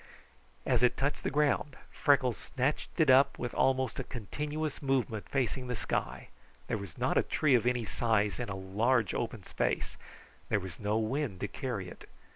As it touched the ground, Freckles snatched it up with almost a continuous movement facing the sky. There was not a tree of any size in a large open space. There was no wind to carry it.